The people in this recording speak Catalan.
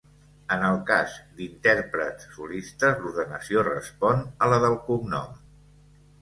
En el cas d'intèrprets solistes l'ordenació respon a la del cognom.